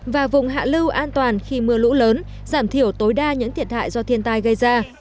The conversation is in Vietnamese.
và vùng hạ lưu an toàn khi mưa lũ lớn giảm thiểu tối đa những thiệt hại do thiên tai gây ra